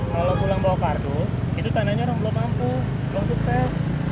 kalau pulang bawa kardus itu tandanya orang belum mampu belum sukses